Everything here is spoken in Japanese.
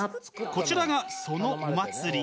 こちらが、そのお祭り。